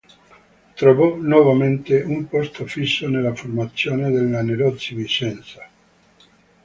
Trovò nuovamente un posto fisso nella formazione del Lanerossi Vicenza.